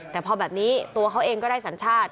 แต่พอแบบนี้ตัวเขาเองก็ได้สัญชาติ